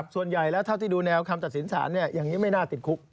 ส่วนใหญ่แล้วเท่าที่ดูแนวคำตัดสินสารอย่างนี้ไม่น่าติดคุก